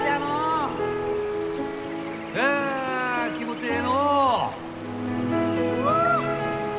あ気持ちええのう！